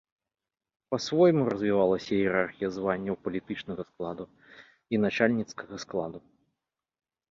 Па-свойму развівалася іерархія званняў палітычнага складу і начальніцкага складу.